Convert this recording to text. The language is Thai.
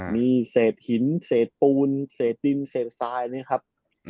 มีเศษหินเศษปูนเศษดินเศษทรายนะครับ